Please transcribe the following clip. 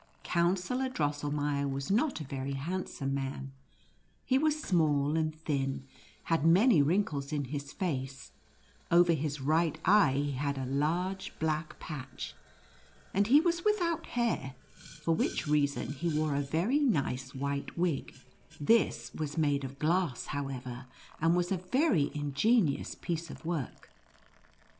Counsellor Drosselmeier was not a very handsome man ; he was small and thin, had many wrinkles in his face, over his right e}^e he had a large black patch, and he was without hair, for which reason he wore a very nice white wig ; this was made of glass however, and was a very ingenious piece of work.